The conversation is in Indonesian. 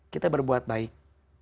kita berbuat baik